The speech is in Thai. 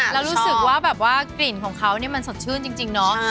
แล้วรู้สึกว่าแบบว่ากลิ่นของเขามันสดชื่นจริงเนาะ